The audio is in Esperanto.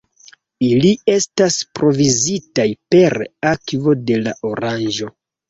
Ili estas provizitaj per akvo de la Oranĝo.